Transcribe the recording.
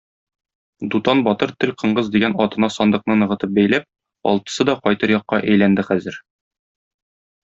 Дутан батыр Тел-Коңгыз дигән атына сандыкны ныгытып бәйләп, алтысы да кайтыр якка әйләнде хәзер.